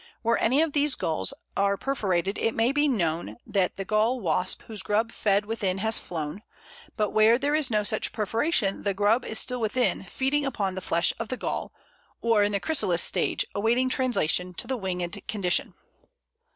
Where any of these galls are perforated it may be known that the Gall wasp whose grub fed within has flown, but where there is no such perforation the grub is still within, feeding upon the flesh of the gall, or in the chrysalis stage, awaiting translation to the winged condition.